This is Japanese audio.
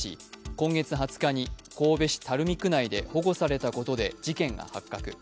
今月２０日に神戸市垂水区内で保護されたことで事件が発覚。